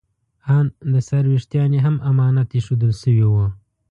ان د سر ویښتان یې هم امانت ایښودل شوي وو.